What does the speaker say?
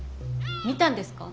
見たんですか？